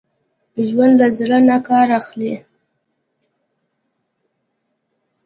ژوندي له زړه نه کار اخلي